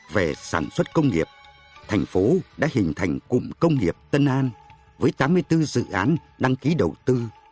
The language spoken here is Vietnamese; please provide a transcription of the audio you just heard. về sản xuất công nghiệp thành phố đã hình thành cụm công nghiệp tân an với tám mươi bốn dự án đăng ký đầu tư